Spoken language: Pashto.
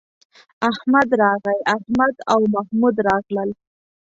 احمد راغی، احمد او محمود راغلل